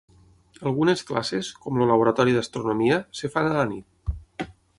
Algunes classes, com el laboratori d'astronomia, es fan a la nit.